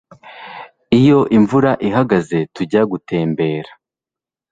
Iyo imvura ihagaze tuzajya gutembera